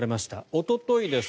おとといです。